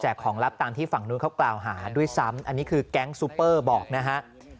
ของลับตามที่ฝั่งนู้นเขากล่าวหาด้วยซ้ำอันนี้คือแก๊งซูเปอร์บอกนะฮะ